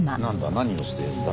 何をしているんだ？